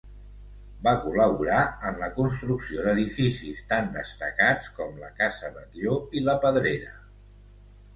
Va col·laborar en la construcció d'edificis tan destacats com la Casa Batlló i La Pedrera.